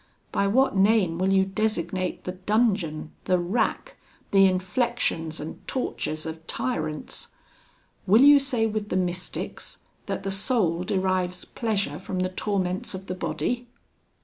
By what name will you designate the dungeon, the rack, the inflections and tortures of tyrants? Will you say with the Mystics that the soul derives pleasure from the torments of the body?